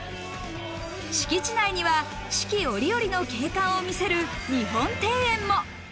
敷地内には四季折々の景観をみせる日本庭園も。